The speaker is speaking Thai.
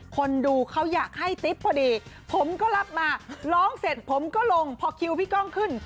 คนดูเขาอยากให้ติ๊บพอดีผมก็รับมาร้องเสร็จผมก็ลงพอคิวพี่ก้องขึ้น